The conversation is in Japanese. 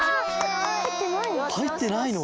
はいってないの？